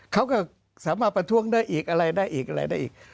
เขาก็สามารถประท้วงได้อีกอะไรได้อีกอะไรได้อีก